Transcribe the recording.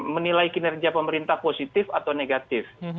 menilai kinerja pemerintah positif atau negatif